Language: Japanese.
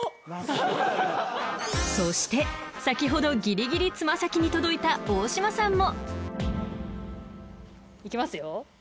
［そして先ほどギリギリ爪先に届いた大島さんも］いきますよ。